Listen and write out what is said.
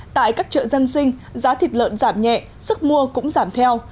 tại các chợ dân sinh giá thịt lợn giảm nhẹ sức mua cũng giảm theo